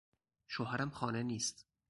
شوهرم خانه نیست.